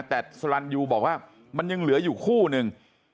แต่สลันยูบอกว่ามันยังเหลืออยู่คู่นึง